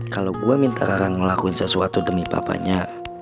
kalau gue minta rarang ngelakuin sesuatu demi papanya